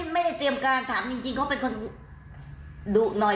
เตรียมการถามจริงเขาเป็นคนดุหน่อย